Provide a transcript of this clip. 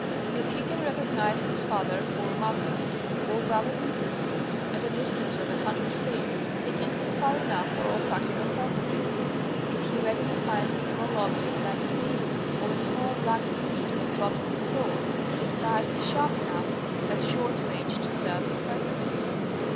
If he can recognize his father or mother or brothers and sisters at a distance of a hundred feet he can see far enough for all practical purposes. If he readily finds a small object like a pin or a small black bead when dropped on the floor, his sight is sharp enough at short range to serve his purposes.